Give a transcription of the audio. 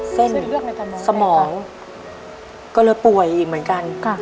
เส้นสมองก็เลยป่วยอีกเหมือนกัน